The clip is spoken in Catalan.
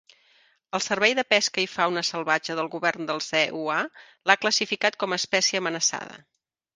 El Servei de pesca i fauna salvatge del govern dels EUA l"ha classificat com a espècie amenaçada.